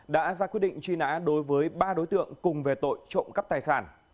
đã ra quyết định truy nã đối với ba đối tượng cùng về tội trộm cắp tài sản